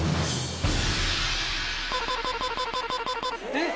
えっ？